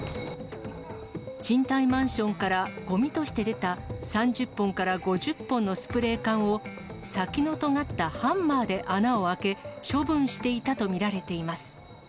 賃貸マンションからごみとして出た、３０本から５０本のスプレー缶を、先のとがったハンマーで穴を開け、処分していたと見られています。